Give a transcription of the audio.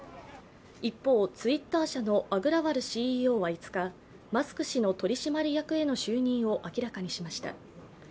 一方、ツイッター社のアグラワルＣＥＯは５日、マスク氏の取締役への就任を明らかにしました。